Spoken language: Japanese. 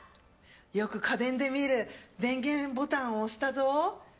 よく家電で見る電源ボタンを押したぞ。